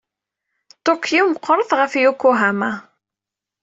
Tokyo meqqret ɣef Yokohama.